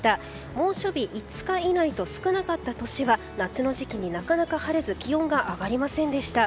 猛暑日５日以内と少なかった年は夏の時期になかなか晴れず気温が上がりませんでした。